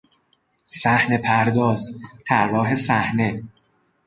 صحنهپرداز، طراح صحنه